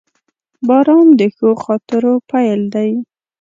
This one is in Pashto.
• باران د ښو خاطرو پیل دی.